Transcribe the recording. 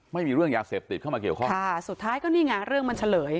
ไม่มีเรื่องยาเสพติดเข้ามาเกี่ยวข้องค่ะสุดท้ายก็นี่ไงเรื่องมันเฉลย